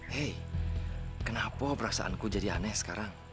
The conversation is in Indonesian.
hei kenapa perasaanku jadi aneh sekarang